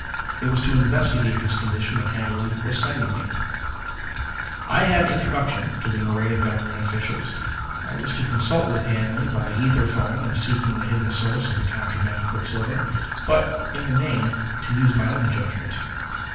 It was to investigate this condition that Hanley was sending me. I had introduction to the Nareda government officials. I was to consult with Hanley by ether phone in seeking the hidden source of the contraband quicksilver, but, in the main, to use my own judgment.